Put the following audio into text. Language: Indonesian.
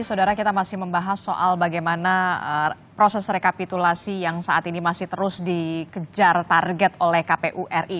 saudara kita masih membahas soal bagaimana proses rekapitulasi yang saat ini masih terus dikejar target oleh kpu ri